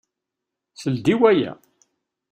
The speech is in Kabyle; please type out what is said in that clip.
Sel-d i waya!